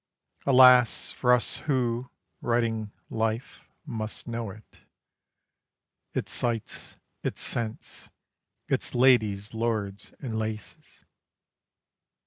Alas! for us who, writing life, must know it Its sights, its scents, its ladies, lords, and Läises.